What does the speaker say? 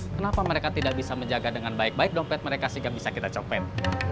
kenapa mereka tidak bisa menjaga dengan baik baik dompet mereka sehingga bisa kita copen